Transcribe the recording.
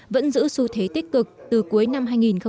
vẫn giữ xu thế tích cực từ cuối năm hai nghìn một mươi tám